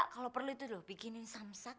kalau perlu bikinin samsak